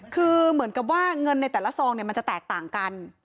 คือเหมือนกับว่าเงินในแต่ละซองเนี่ยมันจะแตกต่างกัน